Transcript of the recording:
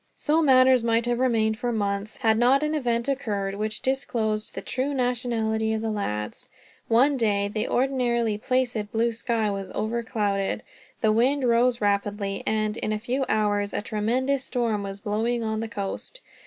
So matters might have remained, for months, had not an event occurred which disclosed the true nationality of the lads. One day the ordinarily placid blue sky was over clouded. The wind rose rapidly and, in a few hours, a tremendous storm was blowing on the coast.